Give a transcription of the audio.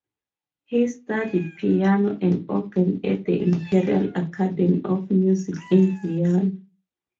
He studied piano and organ at the Imperial Academy of Music in Vienna.